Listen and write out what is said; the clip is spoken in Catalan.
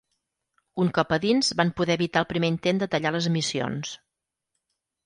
Un cop a dins van poder evitar el primer intent de tallar les emissions.